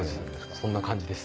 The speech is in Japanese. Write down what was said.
そんな感じです。